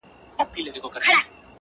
د پتڼ له سرې لمبې نه څه پروا ده!!